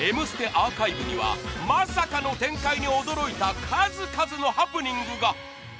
アーカイブにはまさかの展開に驚いた数々のハプニングが！